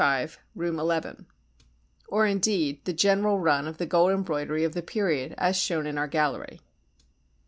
1045, Room XI; or indeed the general run of the gold embroidery of the period as shown in our gallery.